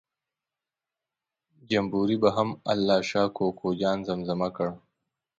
جمبوري به هم الله شا کوکو جان زمزمه کړ.